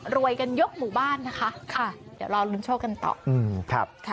รวยกันยกหมู่บ้านนะคะค่ะเดี๋ยวเรารุนโชคกันต่อ